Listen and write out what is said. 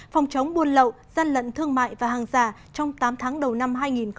phòng chống buôn lậu gian lận thương mại và hàng giả trong tám tháng đầu năm hai nghìn hai mươi